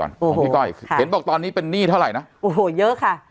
ของพี่ก้อยเห็นบอกตอนนี้เป็นหนี้เท่าไหร่นะโอ้โหเยอะค่ะ